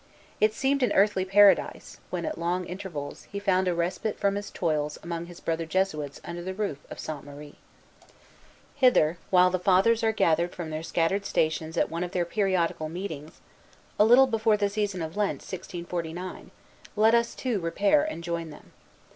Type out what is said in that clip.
It seemed an earthly paradise, when, at long intervals, he found a respite from his toils among his brother Jesuits under the roof of Sainte Marie. Hither, while the Fathers are gathered from their scattered stations at one of their periodical meetings, a little before the season of Lent, 1649, let us, too, repair, and join them.